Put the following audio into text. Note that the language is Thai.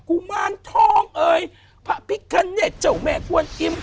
กุมารทองเอ่ยพระพิคเนตเจ้าแม่กวนอิ่ม